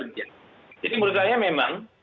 jadi menurut saya memang